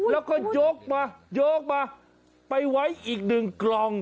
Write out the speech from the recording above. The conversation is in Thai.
แล้วก็ยกมายกมาไปไว้อีกหนึ่งกล่อง